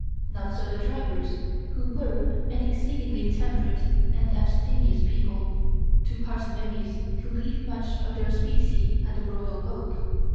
Not so the drivers, who were an exceedingly temperate and abstemious people, too parsimonious to leave much of their specie at the Royal Oak.